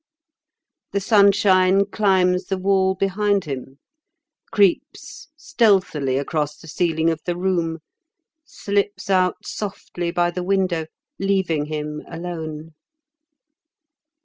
"The sunshine climbs the wall behind him, creeps stealthily across the ceiling of the room, slips out softly by the window, leaving him alone.